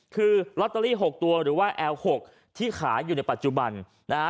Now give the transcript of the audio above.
คือหกตัวหรือว่าที่ขายอยู่ในปัจจุบันนะฮะ